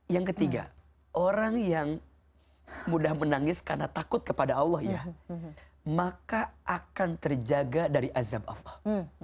yang ketiga orang yang mudah menangis karena takut kepada allah ya maka akan terjaga dari azab allah